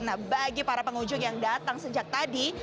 nah bagi para pengunjung yang datang sejak tadi